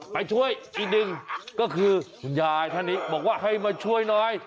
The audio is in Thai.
ไปช่วยอีกหนึ่งก็คือคุณยายท่านนี้บอกว่าให้มาช่วยหน่อย